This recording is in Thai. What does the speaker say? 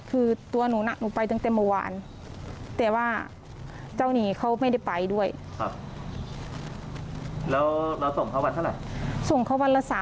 แล้วเมื่อวานเหตุที่ว่าไม่ได้ส่งเพราะอะไร